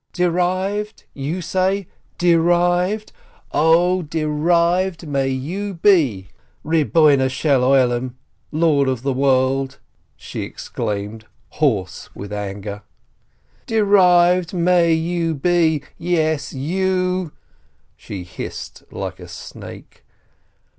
"Derived, you say, derived? 0, derived may you be, Lord of the World," she exclaimed, hoarse with anger, "derived may you be ! Yes ! You !" she hissed like a snake.